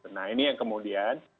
nah ini yang kemudian